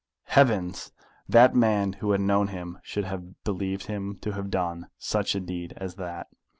Heavens! that men who had known him should have believed him to have done such a deed as that!